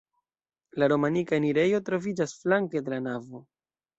La romanika enirejo troviĝas flanke de la navo.